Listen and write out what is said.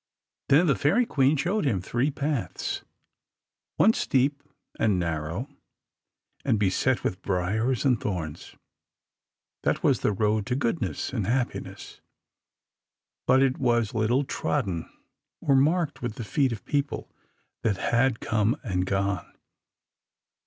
Then the Fairy Queen showed him three paths, one steep and narrow, and beset with briars and thorns: that was the road to goodness and happiness, but it was little trodden or marked with the feet of people that had come and gone.